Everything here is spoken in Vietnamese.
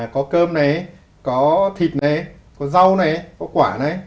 có cơm này có thịt này có rau này có quả này